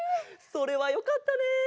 それはよかったね。